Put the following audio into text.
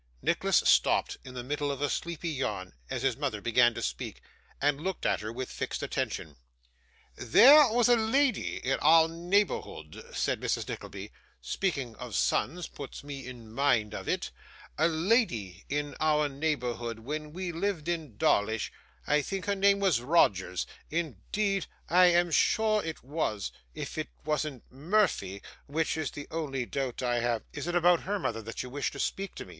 Nicholas stopped in the middle of a sleepy yawn, as his mother began to speak: and looked at her with fixed attention. 'There was a lady in our neighbourhood,' said Mrs. Nickleby, 'speaking of sons puts me in mind of it a lady in our neighbourhood when we lived near Dawlish, I think her name was Rogers; indeed I am sure it was if it wasn't Murphy, which is the only doubt I have ' 'Is it about her, mother, that you wished to speak to me?